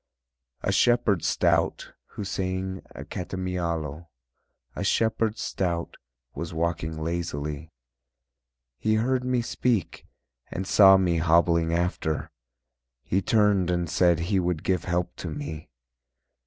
A shepherd stout Who sang a catamiaulo, A shepherd stout Was walking lazily. He heard me speak And saw me hobbling after, He turned and said He would give help to me.